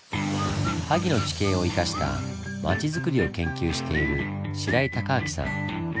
萩の地形を生かした町づくりを研究している白井孝明さん。